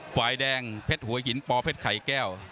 ฝ่ายแดงเพชรหัวหินปอเพชรไข่แก้ว